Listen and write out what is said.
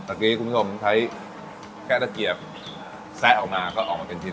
สักทีคุณผู้ชมใช้แค่ตะเกียบแซะออกมาก็ออกมาเป็นชิ้น